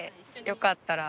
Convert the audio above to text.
よかったら。